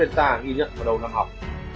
ngay giữa làn sóng delta ghi nhận vào đầu năm học